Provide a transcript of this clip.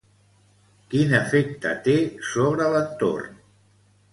Quin efecte té sobre l'entorn?